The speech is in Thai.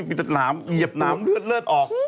มีแต่หนามเหยียบหนามเลือดออก